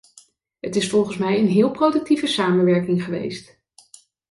Het is volgens mij een heel productieve samenwerking geweest.